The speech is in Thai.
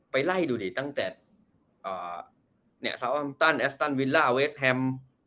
ไล่ดูดิตั้งแต่ซาวอัมตันแอสตันวิลล่าเวสแฮม